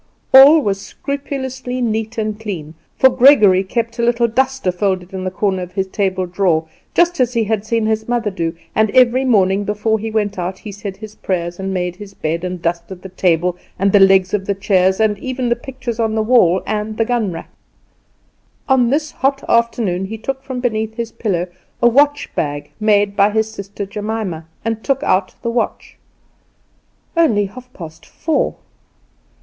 All was scrupulously neat and clean, for Gregory kept a little duster folded in the corner of his table drawer, just as he had seen his mother do, and every morning before he went out he said his prayers, and made his bed, and dusted the table and the legs of the chairs, and even the pictures on the wall and the gun rack. On this hot afternoon he took from beneath his pillow a watch bag made by his sister Jemima, and took out the watch. Only half past four!